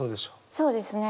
そうですね